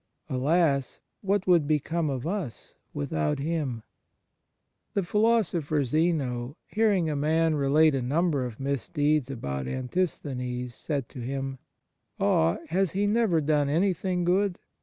Alas ! what would become of us without Him ?" The philosopher Zeno, hearing a man relate a number of misdeeds about Antis thenes, said to him :" Ah ! Has he never done anything good?